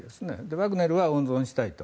ワグネルは温存したいと。